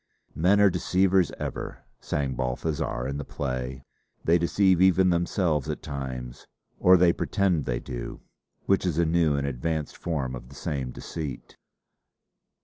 "Men are deceivers ever," sang Balthazar in the play: they deceive even themselves at times. Or they pretend they do which is a new and advanced form of the same deceit.